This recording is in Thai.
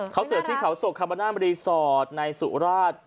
เขาเสิร์ฟที่เขาศกคาบานามรีสอร์ทในสุราช